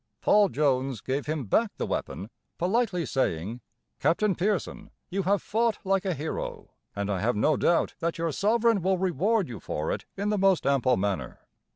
Paul Jones gave him back the weapon, politely saying: "Captain Pearson, you have fought like a hero, and I have no doubt that your sovereign will reward you for it in the most ample manner."